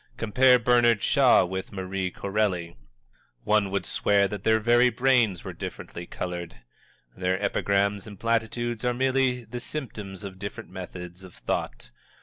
Compare Bernard Shaw with Marie Corelli one would swear that their very brains were differently colored! Their epigrams and platitudes are merely the symptoms of different methods of thought.